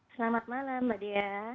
selamat malam mbak dia